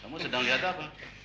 kamu sedang lihat apa